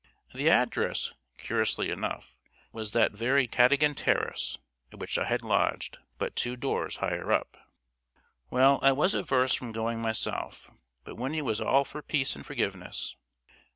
The address, curiously enough, was that very Cadogan Terrace at which I had lodged, but two doors higher up. Well, I was averse from going myself, but Winnie was all for peace and forgiveness.